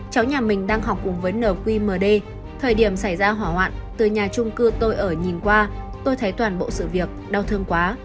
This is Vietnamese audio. cháu nhà mình đang học cùng với nqd thời điểm xảy ra hỏa hoạn từ nhà trung cư tôi ở nhìn qua tôi thấy toàn bộ sự việc đau thương quá